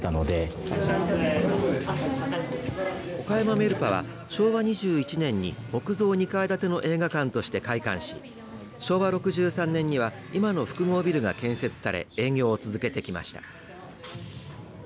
岡山メルパは、昭和２１年に木造２階建ての映画館として開館し昭和６３年には今の複合ビルが建設され営業を続けてきました。